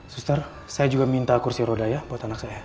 suster saya juga minta kursi roda ya buat anak saya